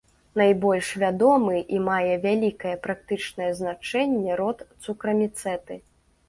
Найбольш вядомы і мае вялікае практычнае значэнне род цукраміцэты.